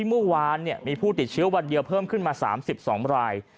เมื่อวานมีผู้ติดเชื้อวันเดียวเพิ่มขึ้นมา๓๒ราย